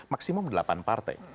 maksimum delapan partai